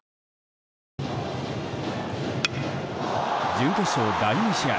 準決勝第２試合。